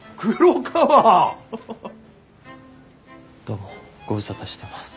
どうもご無沙汰してます。